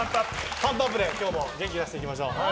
パンプアップで今日も元気出していきましょう。